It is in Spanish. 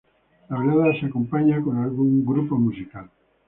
La velada se acompaña con algún grupo musical.